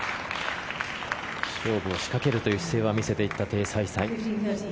勝負を仕掛けるといった姿勢は見せていったテイ・サイサイ。